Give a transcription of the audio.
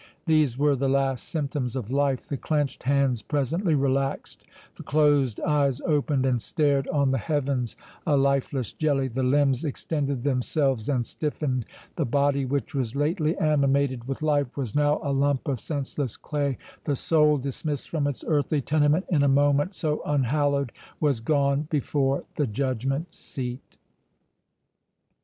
These were the last symptoms of life: the clenched hands presently relaxed—the closed eyes opened, and stared on the heavens a lifeless jelly—the limbs extended themselves and stiffened. The body, which was lately animated with life, was now a lump of senseless clay—the soul, dismissed from its earthly tenement in a moment so unhallowed, was gone before the judgment seat.